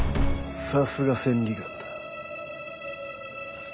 さすが千里眼だ。